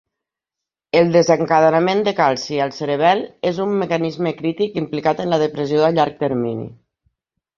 El desencadenament de calci al cerebel és un mecanisme crític implicat en la depressió a llarg termini.